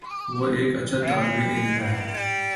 وہ ایک اچھا طالب علم ہے